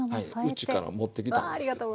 うちから持ってきたんですけど。